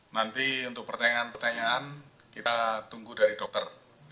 nanti untuk pertanyaan pertanyaan kita tunggu dari dokter